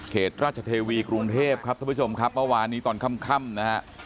เหตุราชเทวีกรุงเทพครับท่านผู้ชมครับเมื่อวานนี้ตอนค่ำนะฮะ